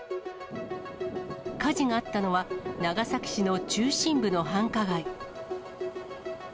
火事があったのは、長崎市の中心部の繁華街。